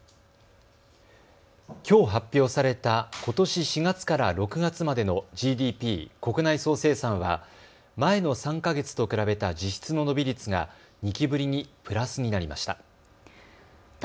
きょう発表されたことし４月から６月までのＧＤＰ・国内総生産は前の３か月と比べた実質の伸び率が２期ぶりにプラスになりました。